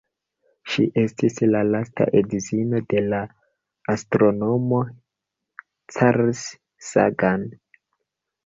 Ŝi estis la lasta edzino de la astronomo Carl Sagan.